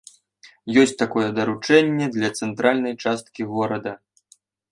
Ёсць такое даручэнне для цэнтральнай часткі горада.